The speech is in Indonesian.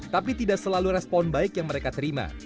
tapi tidak selalu respon baik yang mereka terima